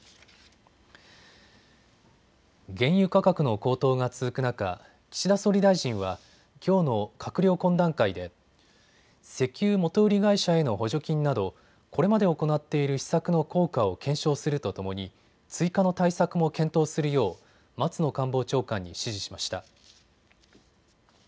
原油価格の高騰が続く中、岸田総理大臣はきょうの閣僚懇談会で石油元売り会社への補助金などこれまで行っている施策の効果を検証するとともに追加の対策も検討するよう松野官房長官に指示しました。